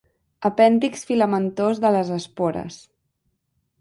Apèndix filamentós de les espores.